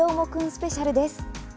スペシャルです。